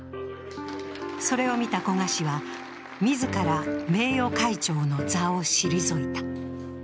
それを見た古賀氏は、自ら名誉会長の座を退いた。